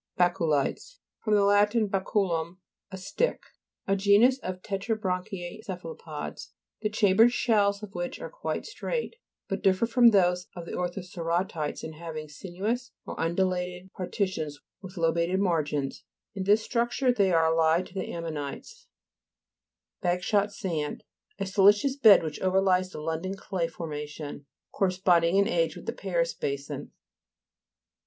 BA'CULITES fr. lat. bacculum, a stick. A genus of tetrabranchiate cephalopods, the chambered shells of which are quite straight, but differ from those of the orthocera tites in having sinuous or undu lated partitions with lobated 1nar gins : in this structure they are allied to the Ammonites, (p. 72.) BAG SHOT SAND. A siliceous bed which overlies the London clay formation, corresponding in age with the Paris basin.